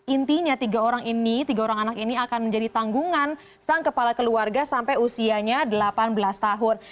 intinya tiga orang ini tiga orang anak ini akan menjadi tanggungan sang kepala keluarga sampai usianya delapan belas tahun